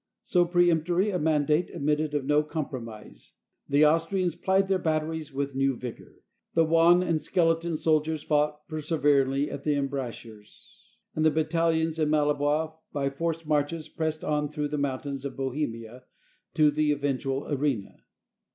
So peremptory a mandate admitted of no compromise. The Austrians plied their batteries with new vigor, the wan and skeleton soldiers fought perse veringly at their embrasures ; and the battalions of Mal lebois, by forced marches, pressed on through the moun tains of Bohemia, to the eventful arena.